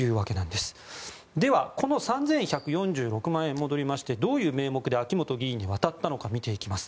では、戻りましてこの３１４６万円どういう名目で秋本議員に渡ったのか見ていきます。